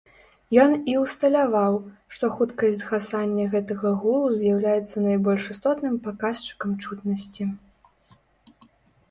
Ён і ўсталяваў, што хуткасць згасання гэтага гулу з'яўляецца найбольш істотным паказчыкам чутнасці.